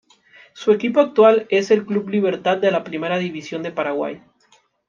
Su equipo actual es el Club Libertad de la Primera División de Paraguay.